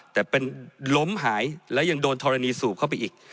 แต่เป็นล้มหายแล้วยังโดนธรณีสูบเข้าไปอีก